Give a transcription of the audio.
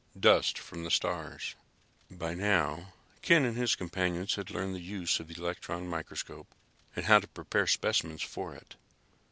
Dust from the stars. By now, Ken and his companions had learned the use of the electron microscope and how to prepare specimens for it.